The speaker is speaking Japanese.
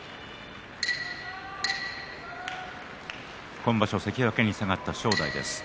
今場所関脇に下がった正代です。